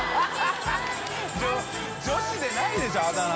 女子でないでしょあだ名。